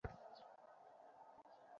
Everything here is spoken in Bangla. গোরা কহিল, ধর্মের দুটো দিক আছে যে।